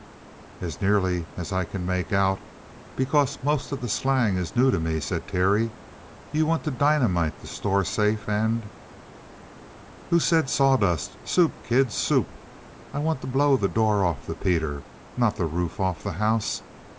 "As nearly as I can make out because most of the slang is new to me," said Terry, "you want to dynamite the store safe and " "Who said sawdust? Soup, kid, soup! I want to blow the door off the peter, not the roof off the house.